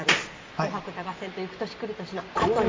「紅白歌合戦」と「ゆく年くる年」のあとに。